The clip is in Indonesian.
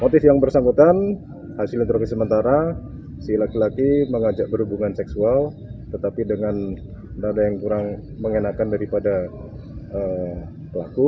sebenarnya si laki laki mengajak berhubungan seksual tetapi dengan nada yang kurang mengenakan daripada pelaku